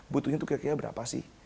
butuhnya itu kira kira berapa sih